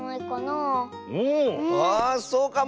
ああっそうかも！